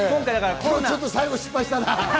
今日ちょっと最後、失敗したな。